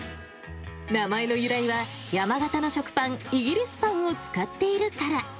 名前の由来は、山型の食パン、イギリスパンを使っているから。